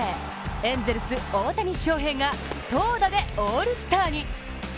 エンゼルス・大谷翔平が投打でオールスターに。